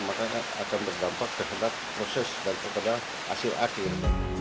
maka akan berdampak terhadap proses dan terhadap hasil akhir